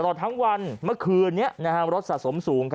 ตลอดทั้งวันมักคืนรถสะสมสูง